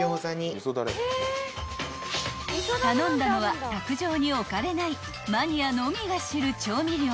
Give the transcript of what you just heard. ［頼んだのは卓上に置かれないマニアのみが知る調味料］